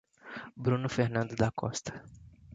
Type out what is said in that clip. Bruno Fernando da Costa